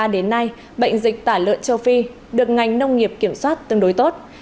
đến nay bệnh dịch tả lợn châu phi được ngành nông nghiệp kiểm soát tương đối tốt